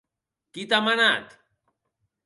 Qui t’a manat?